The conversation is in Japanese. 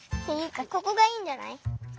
ここがいいんじゃない。